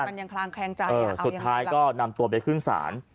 มันยังคลังแคลงจับอย่าเอายังไงสุดท้ายก็นำตัวไปขึ้นศาล